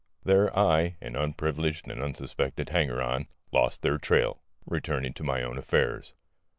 There I, an unprivileged and unsuspected hanger on, lost their trail, returning to my own affairs.